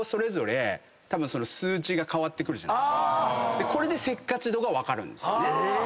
でこれでせっかち度が分かるんですよね。